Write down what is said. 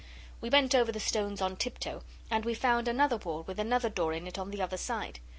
We went over the stones on tiptoe, and we found another wall with another door in it on the other side.